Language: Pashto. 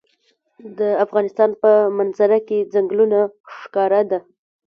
د افغانستان په منظره کې ځنګلونه ښکاره ده.